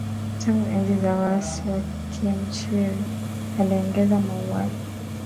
tangu enzi za waasi wa khimrichi aliyeongoza mauaji